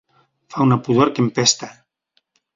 Fa una pudor que empesta!